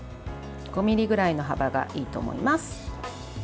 ５ｍｍぐらいの幅がいいと思います。